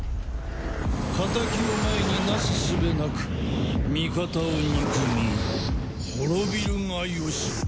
敵を前になすすべなく味方を憎み滅びるが良し。